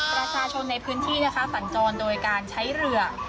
ประชาชนในพื้นที่นะคะสัญจรโดยการใช้เรือ